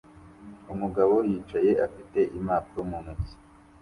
Umugabo yicaye afite impapuro mu ntoki